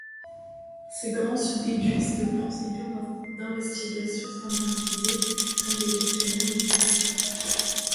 Ces grandeurs se déduisent de procédures d'investigation standardisées, comme des questionnaires, ou de statistiques.